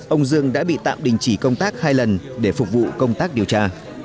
ông dương đã bị tạm đình chỉ công tác hai lần để phục vụ công tác điều tra